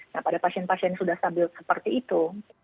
nah pada pasien pasien sudah stabil seperti itu